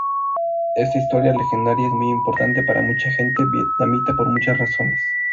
Esta historia legendaria es muy importante para mucha gente vietnamita por muchas razones.